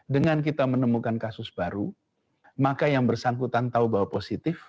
dengan kita menemukan kasus baru maka yang bersangkutan tahu bahwa positif